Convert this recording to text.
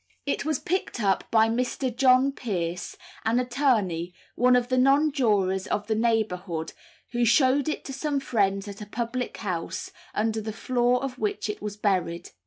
It was picked up by Mr. John Pearce, an attorney, one of the Nonjurors of the neighbourhood, who showed it to some friends at a public house, under the floor of which it was buried.